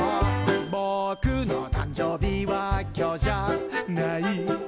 「ボクの誕生日は今日じゃない」